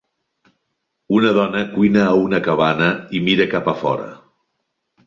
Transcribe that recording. Una dona cuina a una cabana i mira cap a fora.